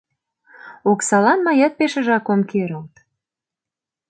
— Оксалан мыят пешыжак ом керылт.